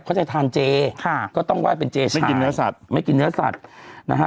เขาจะทานเจค่ะก็ต้องไห้เป็นเจเช่นกินเนื้อสัตว์ไม่กินเนื้อสัตว์นะฮะ